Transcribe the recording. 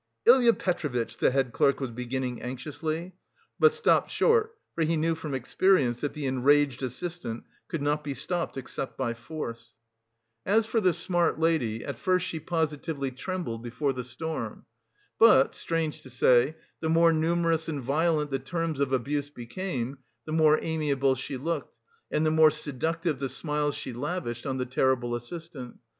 "Ilya Petrovitch!" the head clerk was beginning anxiously, but stopped short, for he knew from experience that the enraged assistant could not be stopped except by force. As for the smart lady, at first she positively trembled before the storm. But, strange to say, the more numerous and violent the terms of abuse became, the more amiable she looked, and the more seductive the smiles she lavished on the terrible assistant.